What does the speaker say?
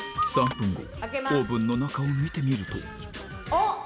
３分後オーブンの中を見てみるとあっ！